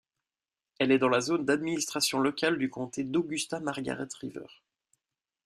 Elle est dans la zone d'administration locale du comté d'Augusta-Margaret River.